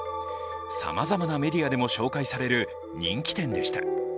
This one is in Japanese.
さまざまなメディアでも紹介される人気店でした。